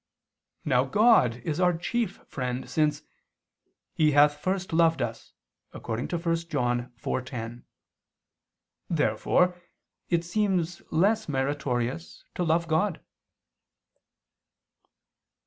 Now God is our chief friend, since "He hath first loved us" (1 John 4:10). Therefore it seems less meritorious to love God.